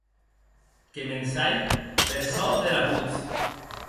Que m’en sai per çò dera votz.